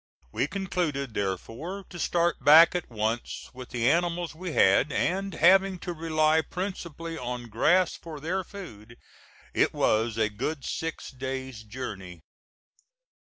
We concluded, therefore, to start back at once with the animals we had, and having to rely principally on grass for their food, it was a good six days' journey.